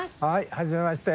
はじめまして。